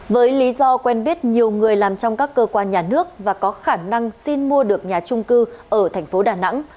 với lý do quen biết nhiều người làm trong các cơ quan nhà nước và có khả năng xin mua được nhà chung cư ở tp đà nẵng